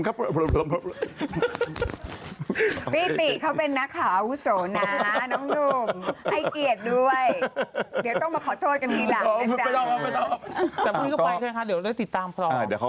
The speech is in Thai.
แต่วันนี้ก็ไปนะคะเดี๋ยวติดตามครับ